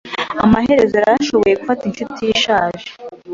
Amaherezo yarashoboye gufata inshuti ye ishaje.